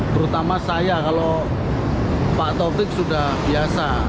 terutama saya kalau pak taufik sudah biasa